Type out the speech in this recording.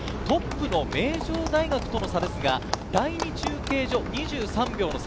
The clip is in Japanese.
トップの名城との差ですが、第２中継所、２３秒の差。